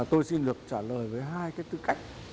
tôi xin được trả lời với hai cái tư cách